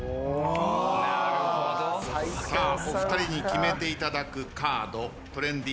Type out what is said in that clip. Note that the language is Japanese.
さあお二人に決めていただくカードトレンディ